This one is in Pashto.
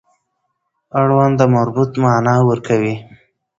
اړوند د مربوط معنا ورکوي.